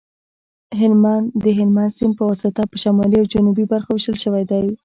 هلمند د هلمند سیند په واسطه په شمالي او جنوبي برخو ویشل شوی دی